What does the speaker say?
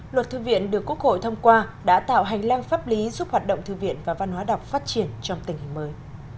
luật thư viện được quốc hội thông qua đã tạo hành lang pháp lý giúp hoạt động thư viện và văn hóa đọc phát triển trong tình hình mới